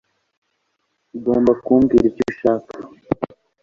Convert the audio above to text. Ugomba kumbwira icyo ushaka